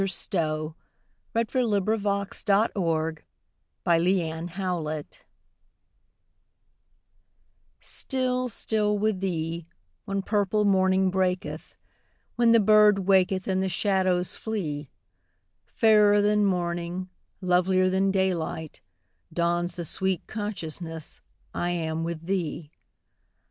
M N . O P . Q R . S T . U V . W X . Y Z Still, Still with Thee STILL, still with Thee, when purple morning breaketh, When the bird waketh and the shadows flee; Fairer than morning, lovilier than daylight, Dawns the sweet consciousness I am with Thee.